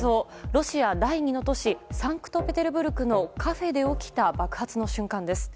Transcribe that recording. ロシア第２の都市サンクトペテルブルクのカフェで起きた爆発の瞬間です。